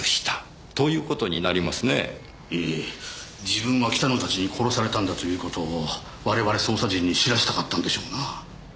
自分が北野たちに殺されたんだという事を我々捜査陣に知らせたかったんでしょうなぁ。